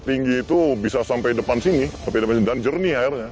air tinggi itu bisa sampai depan sini dan jernih airnya